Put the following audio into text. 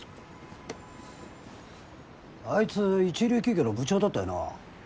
あいつ一流企業の部長だったよな？